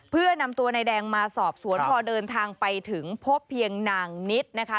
เพื่อนำตัวนายแดงมาสอบสวนพอเดินทางไปถึงพบเพียงนางนิดนะคะ